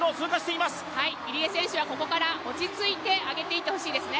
入江選手はここから落ち着いてあげていってほしいですね。